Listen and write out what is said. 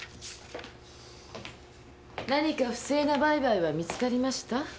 何か不正な売買は見つかりました？